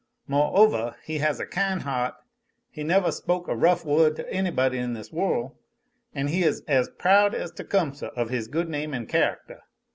Mo'ovah he has a kine heaht; he nevah spoke a rough wohd to anybody in this worl', an' he is as proud as Tecumseh of his good name an' charactah.